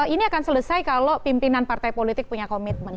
ini akan selesai kalau pimpinan partai politik punya komitmen